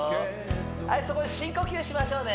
はいそこで深呼吸しましょうね